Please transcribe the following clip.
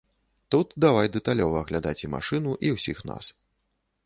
Тут давай дэталёва аглядаць і машыну, і ўсіх нас.